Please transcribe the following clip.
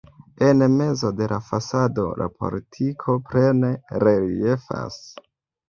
En mezo de la fasado la portiko plene reliefas.